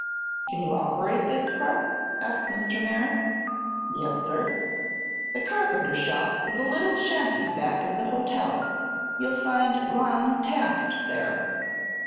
"Can you operate this press?" asked Mr. Merrick. "Yes, sir." "The carpenter shop is a little shanty back of the hotel. You'll find Lon Taft there."